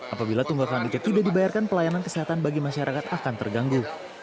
apabila tunggakan tiket tidak dibayarkan pelayanan kesehatan bagi masyarakat akan terganggu